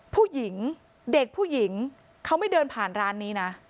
ผู้หญิงเด็กผู้หญิงเขาไม่เดินผ่านร้านนี้นะ